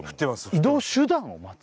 移動手段を待つ？